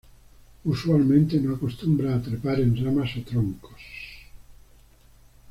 Usualmente no acostumbra trepar en ramas o troncos.